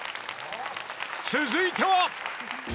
［続いては］